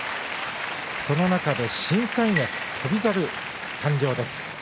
その中で新三役翔猿誕生です。